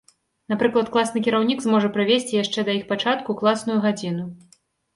Напрыклад, класны кіраўнік зможа правесці яшчэ да іх пачатку класную гадзіну.